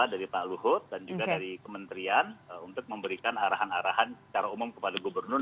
dari pak luhut dan juga dari kementerian untuk memberikan arahan arahan secara umum kepada gubernur